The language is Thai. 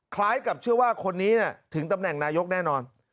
คล้ายกับเชื่อว่าคนนี้ถึงตำแหน่งนายกแน่นอน